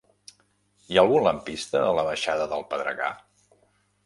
Hi ha algun lampista a la baixada del Pedregar?